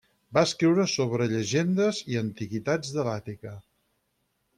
Va escriure sobre llegendes i antiguitats de l'Àtica.